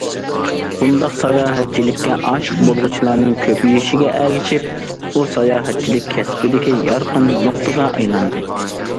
بۇنداق ساياھەتچىلىككە‹‹ ئاشىق›› بولغۇچىلارنىڭ كۆپىيىشىگە ئەگىشىپ، ئۇ ساياھەتچىلىك كەسپىدىكى يارقىن نۇقتىغا ئايلاندى.